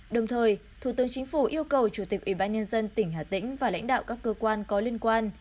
kịp thời thủ tướng chính phủ yêu cầu chủ tịch ubnd tỉnh hà tĩnh và lãnh đạo các cơ quan có liên quan